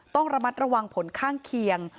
ต้องระมัดระวังผลข้างเคียง